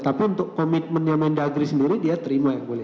tapi untuk komitmennya kemendagri sendiri dia terima yang mulia